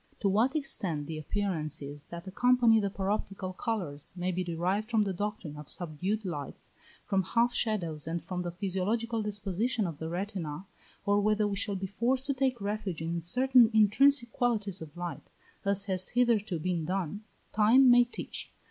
To what extent the appearances that accompany the paroptical colours, may be derived from the doctrine of subdued lights, from half shadows, and from the physiological disposition of the retina, or whether we shall be forced to take refuge in certain intrinsic qualities of light, as has hitherto been done, time may teach.